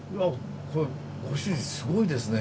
これご主人すごいですね。